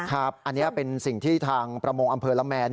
อันนี้เป็นสิ่งที่ทางประมงอำเภอละแมน